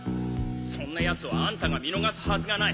そんな奴をあんたが見逃すはずがない。